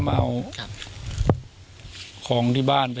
สวัสดีครับ